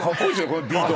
このビート。